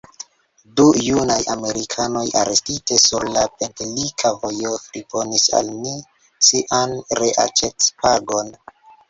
Du junaj Amerikanoj, arestite sur la Pentelika vojo, friponis al ni sian reaĉetpagon.